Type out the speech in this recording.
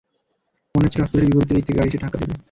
মনে হচ্ছে রাস্তা ধরে বিপরীতে দিক থেকে গাড়ি এসে ধাক্কা দেবে।